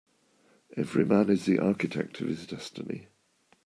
Every man is the architect of his destiny.